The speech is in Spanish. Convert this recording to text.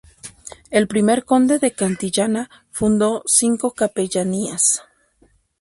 El primer Conde de Cantillana fundó cinco capellanías.